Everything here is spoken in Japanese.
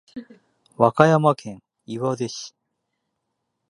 和歌山県岩出市